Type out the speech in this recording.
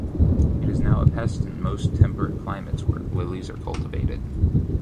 It is now a pest in most temperate climates where lilies are cultivated.